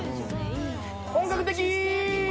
「本格的」